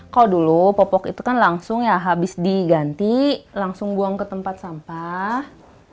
kalau dulu popok itu kan langsung ya habis diganti langsung buang ke tempat sampah